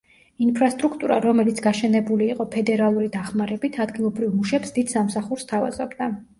ინფრასტრუქტურა, რომელიც გაშენებული იყო ფედერალური დახმარებით, ადგილობრივ მუშებს დიდ სამსახურს სთავაზობდა.